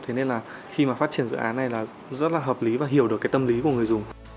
thế nên là khi mà phát triển dự án này là rất là hợp lý và hiểu được cái tâm lý của người dùng